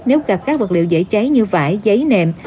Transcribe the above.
nếu gặp các vật liệu dễ cháy như vải giấy nệm